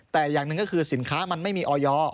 แต่อย่างหนึ่งก็คือสินค้ามันไม่มีออย